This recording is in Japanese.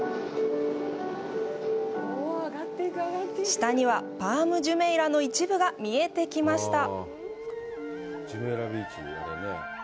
下にはパーム・ジュメイラの一部が見えてきました。